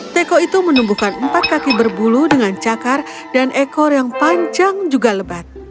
teko itu menumbuhkan empat kaki berbulu dengan cakar dan ekor yang panjang juga lebat